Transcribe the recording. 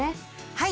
はい。